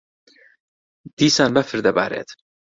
دیسان بەفر دەبارێت.